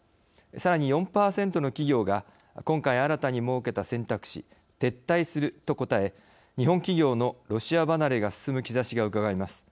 さらに４％の企業が今回、新たに設けた選択肢「撤退する」と答え日本企業のロシア離れが進む兆しがうかがえます。